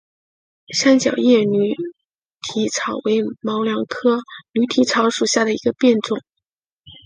三角叶驴蹄草为毛茛科驴蹄草属下的一个变种。